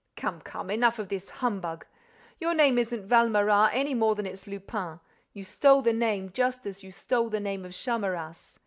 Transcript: Come, come, enough of this humbug! Your name isn't Valméras any more than it's Lupin: you stole the name just as you stole the name of Charmerace.